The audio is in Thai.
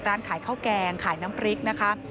ร้านขายข้าวแกงขายน้ำพริกนะคะ